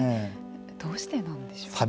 どうしてなんでしょうか。